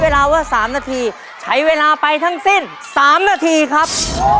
เวลาว่า๓นาทีใช้เวลาไปทั้งสิ้น๓นาทีครับ